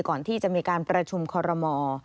ก่อนที่จะมีการประชุมคอรมอล์